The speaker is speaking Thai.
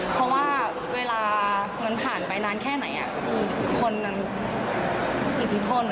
เพราะว่าเวลามันผ่านไปนานแค่ไหนคือคนอิทธิพล